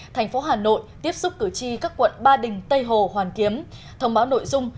thành phố hà nội tiếp xúc cử tri các quận ba đình tây hồ hoàn kiếm thông báo nội dung